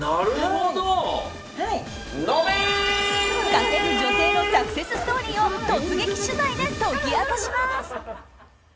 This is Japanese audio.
稼ぐ女性のサクセスストーリーを突撃取材で解き明かします。